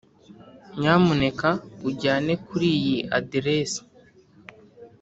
nyamuneka unjyane kuriyi aderesi.